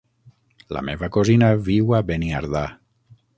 La meva cosina viu a Beniardà.